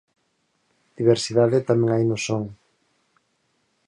Diversidade tamén hai no son.